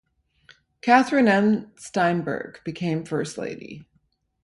Catherine M. Steinberg became first lady.